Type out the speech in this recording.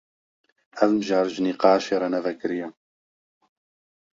Ev mijar ji nîqaşê re ne vekirî ye.